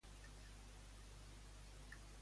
Què els diuen quan arriben a aquests camps?